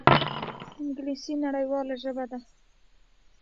انګلیسي نړیواله ژبه ده